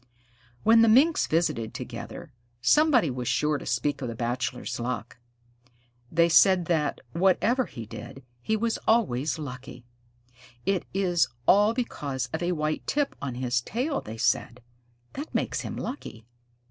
When the Minks visited together, somebody was sure to speak of the Bachelor's luck. They said that, whatever he did, he was always lucky. "It is all because of a white tip on his tail," they said. "That makes him lucky."